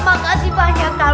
makasih banyak kak